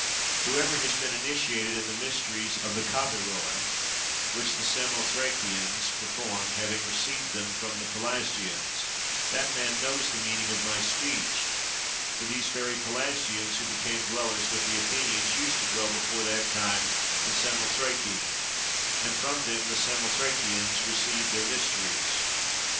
Whosoever has been initiated in the mysteries of the Cabeiroi, which the Samothrakians perform having received them from the Pelasgians, that man knows the meaning of my speech; for these very Pelasgians who became dwellers with the Athenians used to dwell before that time in Samothrake, and from them the Samothrakians received their mysteries.